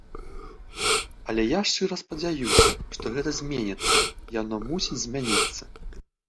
Але я шчыра спадзяюся, што гэта зменіцца, яно мусіць змяніцца.